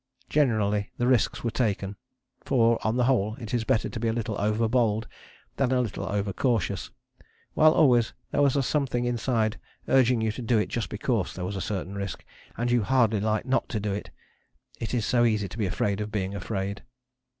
Generally the risks were taken, for, on the whole, it is better to be a little over bold than a little over cautious, while always there was a something inside urging you to do it just because there was a certain risk, and you hardly liked not to do it. It is so easy to be afraid of being afraid!